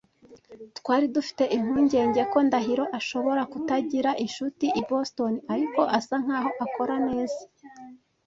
Twari dufite impungenge ko Ndahiro ashobora kutagira inshuti i Boston, ariko asa nkaho akora neza.